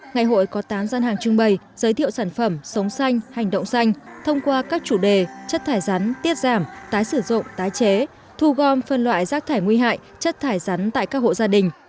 ngày hội có tám gian hàng trưng bày giới thiệu sản phẩm sống xanh hành động xanh thông qua các chủ đề chất thải rắn tiết giảm tái sử dụng tái chế thu gom phân loại rác thải nguy hại chất thải rắn tại các hộ gia đình